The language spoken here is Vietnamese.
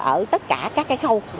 ở tất cả các khâu